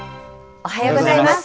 おはようございます。